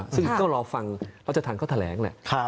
ซึ่งก็รอฟังแล้วอาจารย์เขาแถลง